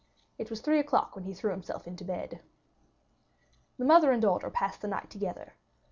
It was three o'clock when he threw himself on the bed. The mother and daughter passed the night together.